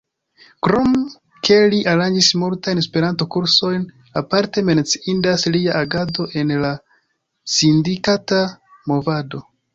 Krom ke li aranĝis multajn Esperanto-kursojn, aparte menciindas lia agado en la sindikata movado.